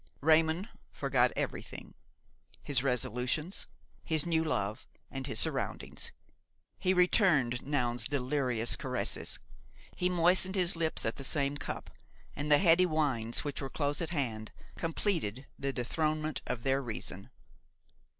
Raymon forgot everything–his resolutions, his new love and his surroundings. He returned Noun's delirious caresses. He moistened his lips at the same cup, and the heady wines which were close at hand completed the dethronement of their reason.